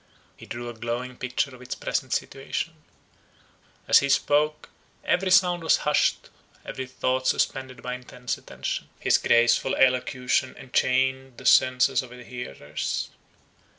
He drew a glowing picture of its present situation. As he spoke, every sound was hushed, every thought suspended by intense attention. His graceful elocution enchained the senses of his hearers.